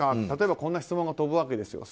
例えばこんな質問が飛ぶわけです。